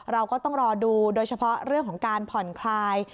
เราก็ต้องรอดูโดยเฉพาะเรื่องของการผ่อนคลาย